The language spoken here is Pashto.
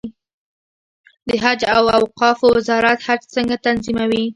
د حج او اوقافو وزارت حج څنګه تنظیموي؟